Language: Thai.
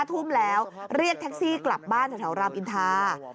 ทุ่มแล้วเรียกแท็กซี่กลับบ้านแถวรามอินทา